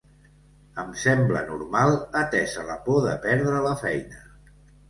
Em sembla normal, atesa la por de perdre la feina.